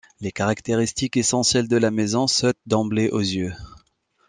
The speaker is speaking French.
Les caractéristiques essentielles de la maison sautent d'emblée aux yeux.